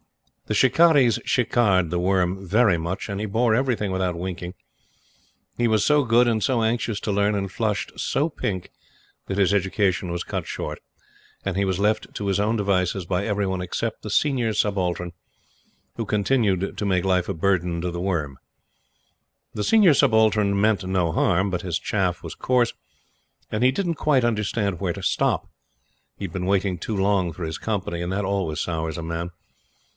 The "Shikarris" shikarred The Worm very much, and he bore everything without winking. He was so good and so anxious to learn, and flushed so pink, that his education was cut short, and he was left to his own devices by every one except the Senior Subaltern, who continued to make life a burden to The Worm. The Senior Subaltern meant no harm; but his chaff was coarse, and he didn't quite understand where to stop. He had been waiting too long for his company; and that always sours a man.